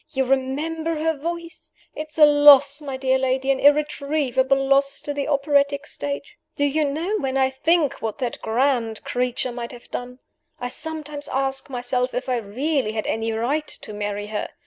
You remember her voice? It's a loss, my dear lady, an irretrievable loss, to the operatic stage! Do you know, when I think what that grand creature might have done, I sometimes ask myself if I really had any right to marry her.